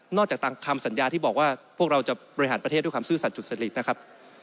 จากตามคำสัญญาที่บอกว่าพวกเราจะบริหารประเทศด้วยความซื่อสัตว์สุจริตนะครับ